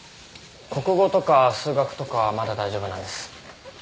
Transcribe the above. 国語とか数学とかはまだ大丈夫なんです。